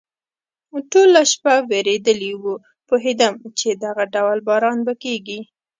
ټوله شپه ورېدلی و، پوهېدم چې دغه ډول باران به کېږي.